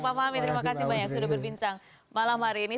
pak fahmi terima kasih banyak sudah berbincang malam hari ini